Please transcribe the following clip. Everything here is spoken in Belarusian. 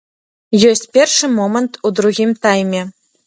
Ёсць першы момант у другім тайме.